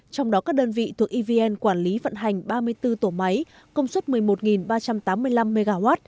trong đó các đơn vị thuộc evn quản lý vận hành ba mươi bốn tổ máy công suất một mươi một ba trăm tám mươi năm mw